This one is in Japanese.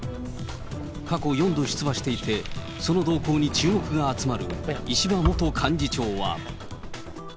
過去４度出馬していて、その動向に注目が集まる石破元幹事長は。